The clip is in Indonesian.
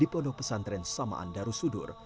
di pondok pesantren samaan darussudur